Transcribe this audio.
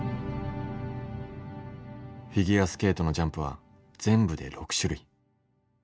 フィギュアスケートのジャンプは全部で６種類。